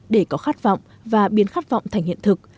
để có khát vọng và biến khát vọng thành hiện thực